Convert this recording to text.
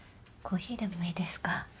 コーヒーでもいいですか？